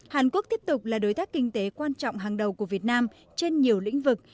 hàn quốc tiếp tục là đối tác kinh tế quan trọng hàng đầu của việt nam trên nhiều lĩnh vực